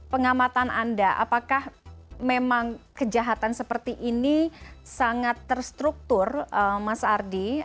pengamatan anda apakah memang kejahatan seperti ini sangat terstruktur mas ardi